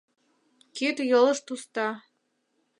Кид-йолышт уста.